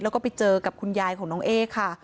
แล้วก็ไปเจอกับคุณยายของน้องเอ๊ค่ะ